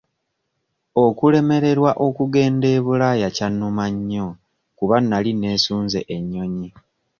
Okulemererwa okugenda e Bulaaya kyannuma nnyo kuba nali neesunze ennyonyi.